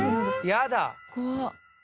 やだ。